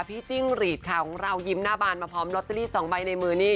จิ้งหรีดค่ะของเรายิ้มหน้าบานมาพร้อมลอตเตอรี่๒ใบในมือนี่